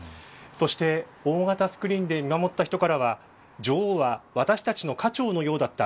そして、大型スクリーンで見守った人からは女王は私たちの家長のようだった。